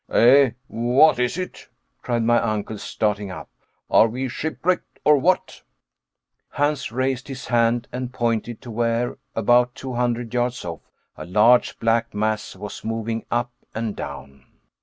"Eh, what is it?" cried my uncle starting up. "Are we shipwrecked, or what?" Hans raised his hand and pointed to where, about two hundred yards off, a large black mass was moving up and down.